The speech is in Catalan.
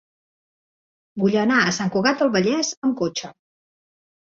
Vull anar a Sant Cugat del Vallès amb cotxe.